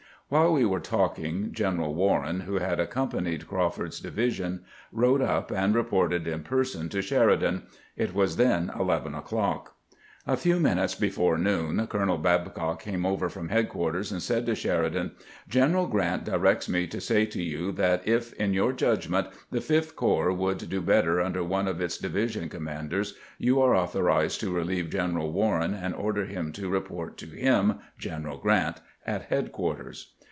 While we were talking, General "Warren, who had accompanied Crawford's divi sion, rode up and reported in person to Sheridan. It was then eleven o'clock. A few minutes before noon Colonel Babcock came over from headquarters, and said to Sheridan :" Gen eral Grant directs me to say to you that if, in your judgment, the Fifth Corps would do better under one of its division commanders, you are authorized to relieve General Warren and order him to report to him [Gen eral Grant] at headquarters."